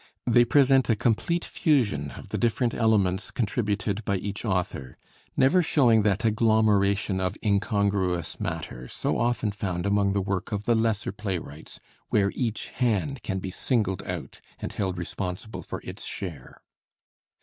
They present a complete fusion of the different elements contributed by each author; never showing that agglomeration of incongruous matter so often found among the work of the lesser playwrights, where each hand can be singled out and held responsible for its share.